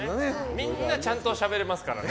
みんなちゃんとしゃべれますからね。